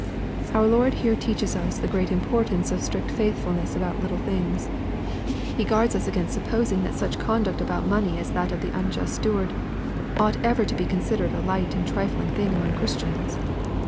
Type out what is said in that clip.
Our Lord here teaches us the great importance of strict faithfulness about " little things." He guards us against supposing that such conduct about money as that of the unjust steward, ought ever to be considered a light and trifling thing among Christians.